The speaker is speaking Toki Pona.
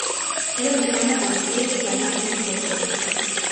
telo li kama tan sewi la nasin li ko telo.